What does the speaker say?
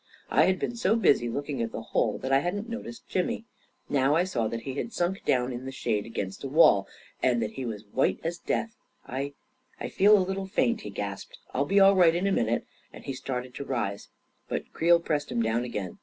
I had been so busy looking at the hole that I hadn't noticed Jimmy. Now I saw that he had sunk down in the shade against the wall, and that he was as white as death. " I — I feel a little faint," he gasped. u I'll be all right in a minute," and he started to rise. But Creel pressed him down again.